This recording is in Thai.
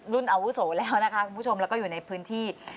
อาวุโสแล้วนะคะคุณผู้ชมแล้วก็อยู่ในพื้นที่